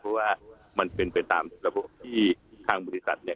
เพราะว่ามันเป็นไปตามระบบที่ทางบริษัทเนี่ย